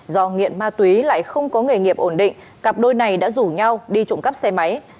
do nghiện ma túy lại không có nghề nghiệp ổn định cặp đôi này đã rủ nhau đi trộm cắp xe máy